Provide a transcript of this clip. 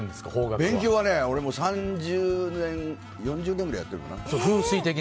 勉強はね、俺は３０年４０年くらいやってるかな。